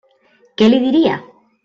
Què li diria?